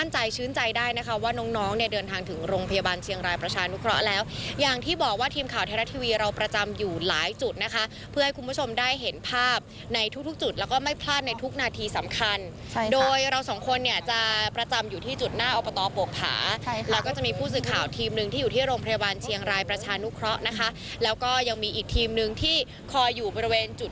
เชียงรายประชานุเคราะห์แล้วอย่างที่บอกว่าทีมข่าวไทยรัฐทีวีเราประจำอยู่หลายจุดนะคะเพื่อให้คุณผู้ชมได้เห็นภาพในทุกจุดแล้วก็ไม่พลาดในทุกนาทีสำคัญใช่ค่ะโดยเราสองคนเนี่ยจะประจำอยู่ที่จุดหน้าออกประตอบกผาใช่ค่ะแล้วก็จะมีผู้สื่อข่าวทีมหนึ่งที่อยู่ที่โรงพยาบาลเชียงรายประชานุเคร